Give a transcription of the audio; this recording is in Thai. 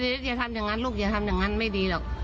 อย่าทำอย่างนั้นลูกอย่าทำอย่างนั้นไม่ดีหรอก